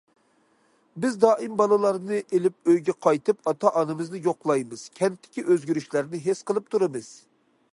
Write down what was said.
بىز دائىم بالىلارنى ئېلىپ ئۆيگە قايتىپ ئاتا- ئانىمىزنى يوقلايمىز، كەنتتىكى ئۆزگىرىشلەرنى ھېس قىلىپ تۇرىمىز.